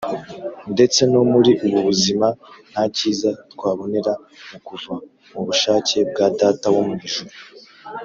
). Ndetse no muri ubu buzima nta cyiza twabonera mu kuva mu bushake bwa Data wo mw’ ijuru